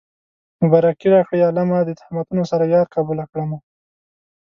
مبارکي راکړئ عالمه د تهمتونو سره يار قبوله کړمه